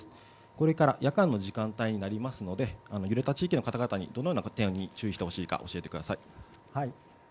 これから夜間の時間帯になりますので揺れた地域の方々にどのように注意したらいいか教えてください。